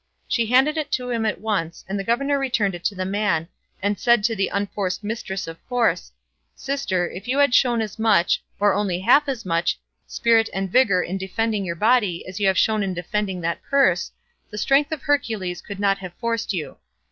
She handed it to him at once, and the governor returned it to the man, and said to the unforced mistress of force, "Sister, if you had shown as much, or only half as much, spirit and vigour in defending your body as you have shown in defending that purse, the strength of Hercules could not have forced you.